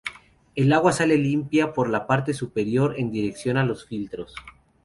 El agua sale limpia por la parte superior en dirección a los filtros.